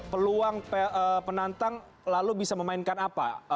peluang penantang lalu bisa memainkan apa